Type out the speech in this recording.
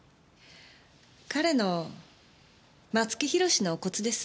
彼の松木弘のお骨です。